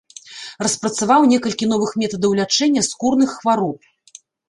Распрацаваў некалькі новых метадаў лячэння скурных хвароб.